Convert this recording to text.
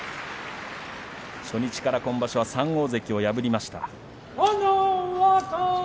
初日から今場所は３大関を破りました。